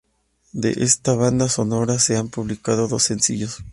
De esta banda sonora se han publicado dos sencillos.